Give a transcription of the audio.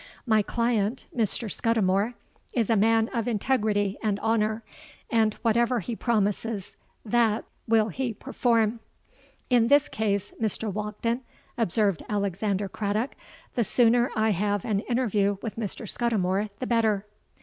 My client, Mr. Scudimore, is a man of integrity and honour; and whatever he promises, that will he perform!'—'In this case, Mr. Walkden,' observed Alexander Craddock, 'the sooner I have an interview with Mr. Scudimore, the better.'